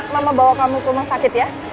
mama bawa kamu ke rumah sakit ya